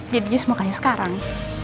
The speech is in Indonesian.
jadi just mau kasih sekarang